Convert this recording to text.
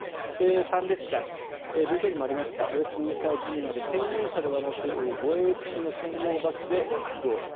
参列者、ＶＴＲにもありましたウェストミンスター寺院まで専用車ではなく護衛付きの専用バスで移動と。